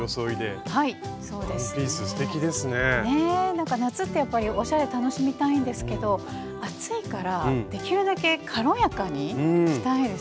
なんか夏ってやっぱりおしゃれ楽しみたいんですけど暑いからできるだけ軽やかにしたいですよね。